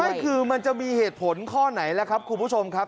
ไม่คือมันจะมีเหตุผลข้อไหนล่ะครับคุณผู้ชมครับ